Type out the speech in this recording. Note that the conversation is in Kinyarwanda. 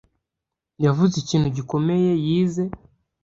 yavuze ikintu gikomeye yize